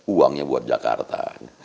uangnya buat jakarta